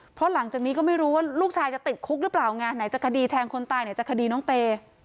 เพราะหลังจากนี้ก็ไม่รู้ว่าลูกชายจะติดคุกหรือเปล่าไงไหนจะคดีแทงคนตายไหนจะคดีน้องเต